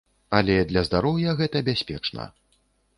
Але для здароўя гэта бяспечна.